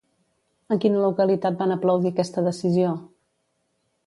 En quina localitat van aplaudir aquesta decisió?